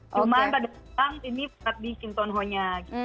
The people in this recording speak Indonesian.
cuman pada saat ini berada di kim seon ho nya